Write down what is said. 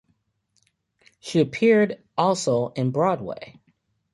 She appeared also in Broadway.